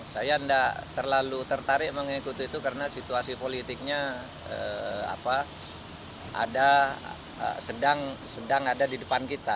saya tidak terlalu tertarik mengikuti itu karena situasi politiknya sedang ada di depan kita